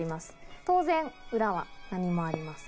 当然、裏は何もありません。